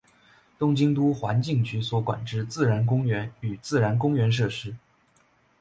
东京都环境局所管之自然公园与自然公园设施。